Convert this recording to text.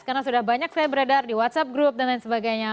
karena sudah banyak saya beredar di whatsapp group dan lain sebagainya